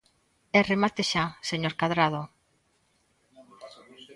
E remate xa, señor Cadrado.